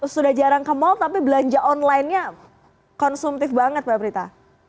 sudah jarang ke mal tapi belanja online nya konsumtif banget mbak prita